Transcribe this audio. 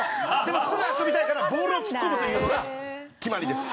すぐ遊びたいからボールを突っ込むというのが決まりです。